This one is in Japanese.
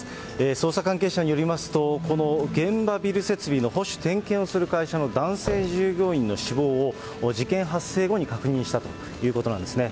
捜査関係者によりますと、この現場ビル設備の保守点検をする会社の男性従業員の死亡を、事件発生後に確認したということなんですね。